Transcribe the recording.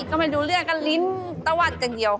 ก็ไม่รู้เรื่องก็ลิ้นตะวัดอย่างเดียว